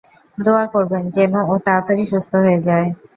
দোয়া করবেন যেনো ও তাড়াতাড়ি সুস্থ হয়ে যায়।